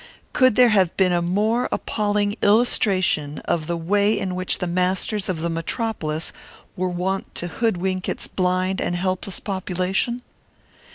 Could there have been a more appalling illustration of the way in which the masters of the Metropolis were wont to hoodwink its blind and helpless population?